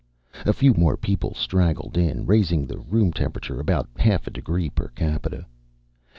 A few more people straggled in, raising the room temperature about half a degree per capita.